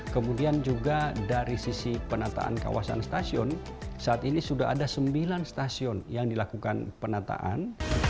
kemudian juga dari sisi penataan kawasan stasiun saat ini sudah ada sembilan stasiun yang dilakukan penataan